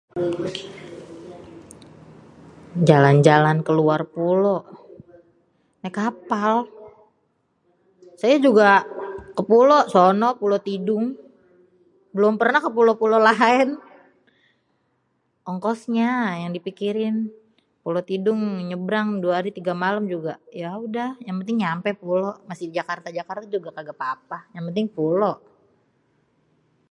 Jalan-jalan keluar pulo, naek kapal, saya juga ke pulo sono, Pulo Tidung, belom pernah ke pulo-pulo laen, ongkosnya yang dipikirin, Pulo Tidung nyebrang dua hari tiga malem juga yaudah yang penting nyampe pulo, masih Jakarta-Jakarta juga kaga papa yang penting pulo.